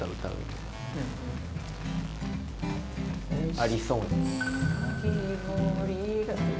ありそうね。